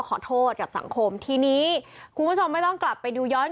ขอโทษกับสังคมทีนี้คุณผู้ชมไม่ต้องกลับไปดูย้อน